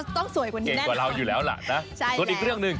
ต้องสวยกว่านี่แน่นครับผมใช่แล้วอีกเรื่องหนึ่ง